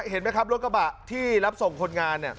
เห็นไหมครับรถกระบะที่รับส่งคนงานเนี่ย